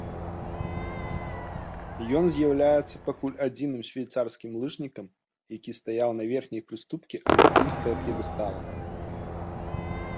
Ён з'яўляецца пакуль адзіным швейцарскім лыжнікам, які стаяў на верхняй прыступкі алімпійскага п'едэстала.